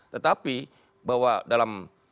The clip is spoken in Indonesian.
tetapi bahwa dalam